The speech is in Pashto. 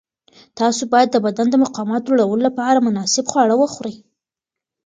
تاسو باید د بدن د مقاومت لوړولو لپاره مناسب خواړه وخورئ.